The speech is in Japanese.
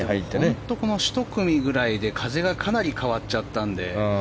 本当、この１組ぐらいで風がかなり変わっちゃったので。